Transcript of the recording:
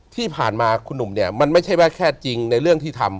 ที่ผ่านมาคุณหนุ่มเนี่ยมันไม่ใช่ว่าแค่จริงในเรื่องที่ทำ